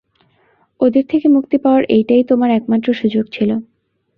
ওদের থেকে মুক্তি পাওয়ার এইটাই তোমার একমাত্র সুযোগ ছিল!